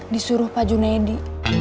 disuruh pak junedi